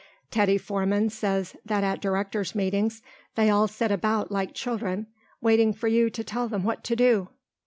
Teddy Foreman says that at directors' meetings they all sit about like children waiting for you to tell them what to do."